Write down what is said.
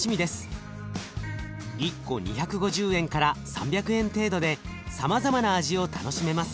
１個２５０円から３００円程度でさまざまな味を楽しめます。